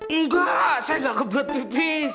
enggak saya gak kebelet tipis